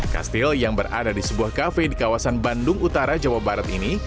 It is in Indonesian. kastil yang berada di sebuah kafe di kawasan bandung utara jawa barat ini